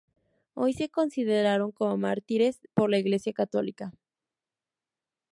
Hoy, son considerados como mártires por la Iglesia católica.